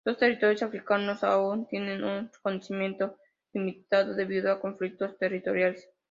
Dos territorios africanos aún tienen un reconocimiento limitado debido a conflictos territoriales.